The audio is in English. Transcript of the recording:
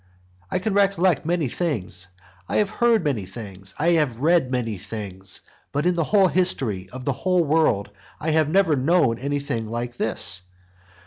I can recollect many things; I have heard of many things; I have read of many things; but in the whole history of the whole world I have never known anything like this.